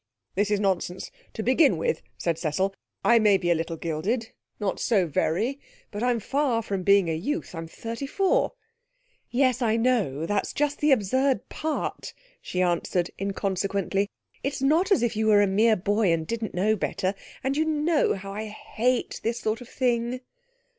'This is nonsense. To begin with,' said Cecil, 'I may be a little gilded not so very but I'm far from being a youth. I'm thirty four.' 'Yes, I know! That's just the absurd part,' she answered inconsequently. 'It's not as if you were a mere boy and didn't know better! And you know how I hate this sort of thing.'